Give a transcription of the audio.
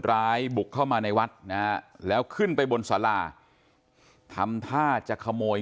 ร้ายบุกเข้ามาในวัดนะฮะแล้วขึ้นไปบนสาราทำท่าจะขโมย